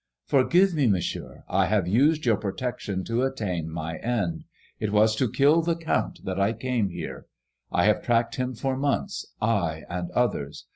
Forgive me. Monsieur, I have used your protection to attain my end. It was to kill the Count that I came here. I have tracked him for months, I and others.